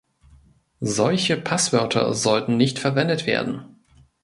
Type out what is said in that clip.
Solche Passwörter sollten nicht verwendet werden.